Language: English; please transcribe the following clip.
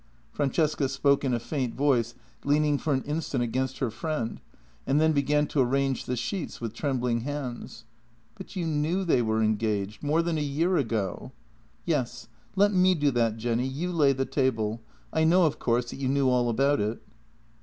Francesca spoke in a faint voice, leaning for an instant against her friend, and then began to arrange the sheets with trembling hands. " But you knew they were engaged — more than a year ago." "Yes — let me do that, Jenny; you lay the table. I know, of course, that you knew all about it."